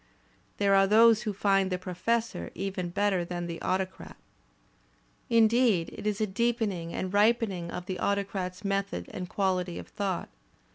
There are those who find "The Professor" even better than "The Autocrat." Indeed it is a deepening and rip)ening of the Autocrat's method and quahty of thought.